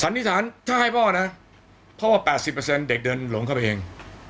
นิษฐานถ้าให้พ่อนะพ่อว่า๘๐เด็กเดินหลงเข้าไปเอง